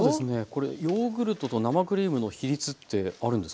これヨーグルトと生クリームの比率ってあるんですか？